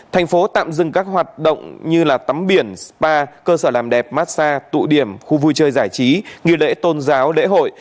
thành phố tạm dừng các hoạt động như tắm biển spa cơ sở làm đẹp massage tụ điểm khu vui chơi giải trí nghỉ lễ tôn giáo lễ hội